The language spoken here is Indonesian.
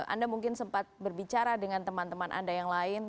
anda mungkin sempat berbicara dengan teman teman anda yang lain